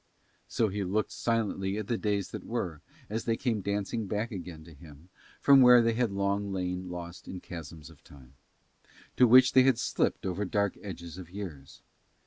So he looked silently at the days that were as they came dancing back again to him from where they had long lain lost in chasms of time, to which they had slipped over dark edges of years.